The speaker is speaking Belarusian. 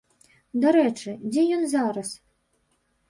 Дарэчы, дзе ён зараз?